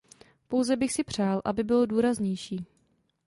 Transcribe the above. Pouze bych si přál, aby bylo důraznější.